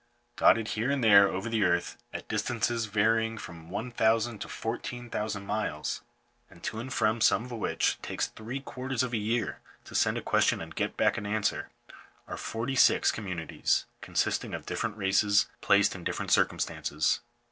Dotted here and there over the earth, at distances varying from one thousand to fourteen thousand miles, and to and from some of which it takes three quarters of a year to send a question and get back an answer, are forty six communities, consisting of different races, placed in different circumstances.